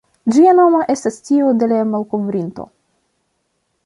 Ĝia nomo estas tiu de la malkovrinto.